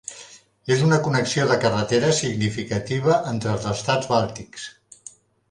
És una connexió de carretera significativa entre els estats bàltics.